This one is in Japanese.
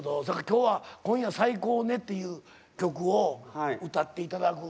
今日は「今夜最高ね」っていう曲を歌って頂く。